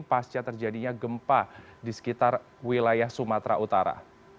pasca terjadinya gempa di sekitar wilayah sumatera utara